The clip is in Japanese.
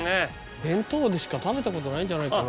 弁当でしか食べたことないんじゃないかな